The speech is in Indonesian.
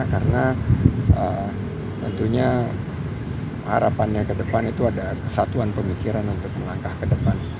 karena tentunya harapannya ke depan itu ada kesatuan pemikiran untuk melangkah ke depan